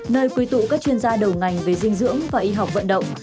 nơi quy tụ các chuyên gia đầu ngành về dinh dưỡng và y học vận động